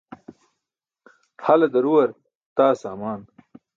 Hale daruwar taa saamaan.